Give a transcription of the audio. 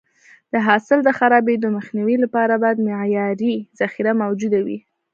د حاصل د خرابېدو مخنیوي لپاره باید معیاري ذخیره موجوده وي.